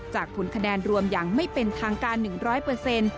ผลคะแนนรวมอย่างไม่เป็นทางการ๑๐๐เปอร์เซ็นต์